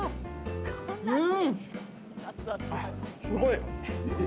すごい。